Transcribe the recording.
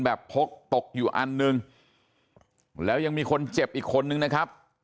พกตกอยู่อันหนึ่งแล้วยังมีคนเจ็บอีกคนนึงนะครับ